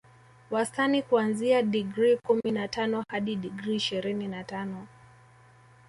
Wastani kuanzia digrii kumi na tano hadi digrii ishirini na tano